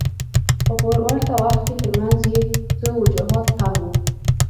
خو په ورته وخت کې ترمنځ یې څو وجوهات هم وو.